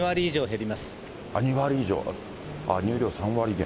２割以上、乳量３割減。